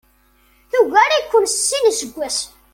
Tugar-iken s sin iseggasen.